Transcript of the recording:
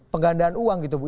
penggandaan uang gitu bu